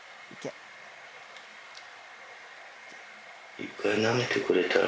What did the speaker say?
１回なめてくれたら。